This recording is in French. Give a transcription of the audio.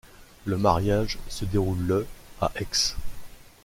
Le mariage se déroule le à Aix.